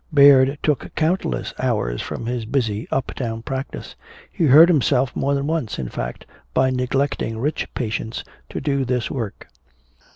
Baird took countless hours from his busy uptown practice; he hurt himself more than once, in fact, by neglecting rich patients to do this work.